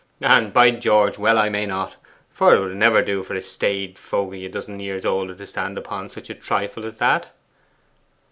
And, by George, well I may not; for it would never do for a staid fogey a dozen years older to stand upon such a trifle as that.